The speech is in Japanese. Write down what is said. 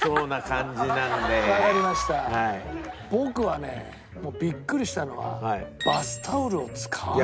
僕はねビックリしたのはバスタオルを使わない。